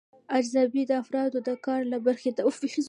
ارزیابي د افرادو د کار له برخې ده.